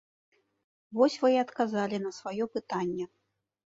Вось вы і адказалі на сваё пытанне.